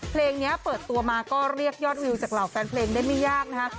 เพลงนี้เปิดตัวมาก็เรียกยอดวิวจากเหล่าแฟนเพลงได้ไม่ยากนะคะ